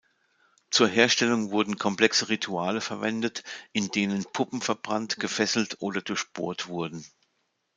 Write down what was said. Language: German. Zur Herstellung wurden komplexe Rituale verwendet, in denen Puppen verbrannt, gefesselt oder durchbohrt wurden.